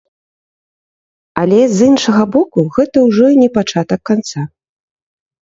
Але, з іншага боку, гэта ўжо і не пачатак канца.